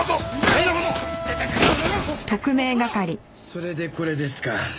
それでこれですか。